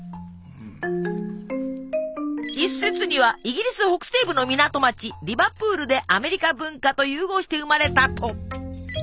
一説にはイギリス北西部の港町リバプールでアメリカ文化と融合して生まれたと。